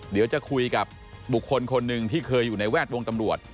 เดี๋ยวจะคุยกับบุคคลคนหนึ่งที่เคยอยู่ในแวดวงตำรวจ